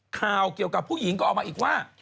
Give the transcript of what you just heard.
ข่าวเกี่ยวกับผู้หญิงก็ออกมาอีกว่า